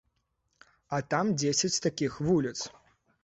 А там дзесяць такіх вуліц!